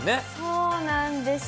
そうなんですよ。